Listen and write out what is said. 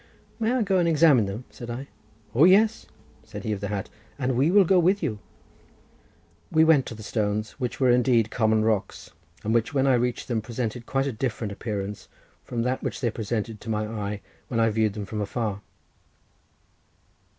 "May I go and examine them?" said I. "O yes," said he of the hat, "and we will go with you." We went to the stones, which were indeed common rocks, and which, when I reached them, presented quite a different appearance from that which they presented to my eye when I viewed them from afar.